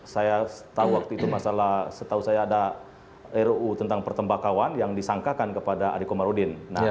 saya tahu waktu itu masalah setahu saya ada ruu tentang pertembakauan yang disangkakan kepada adik komarudin